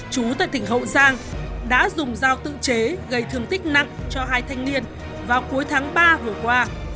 chú tại tỉnh hậu giang đã dùng dao tự chế gây thương tích nặng cho hai thanh niên vào cuối tháng ba vừa qua